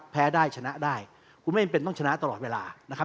แพ้ได้ชนะได้คุณไม่จำเป็นต้องชนะตลอดเวลานะครับ